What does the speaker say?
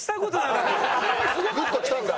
グッときたんだ？